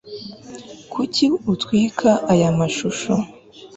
kuki utwika aya mashusho